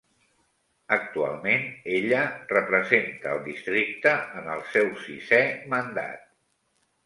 Actualment ella representa el districte en el seu sisè mandat.